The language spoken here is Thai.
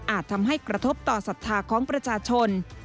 ทำให้กระทบต่อศรัทธาของประชาชน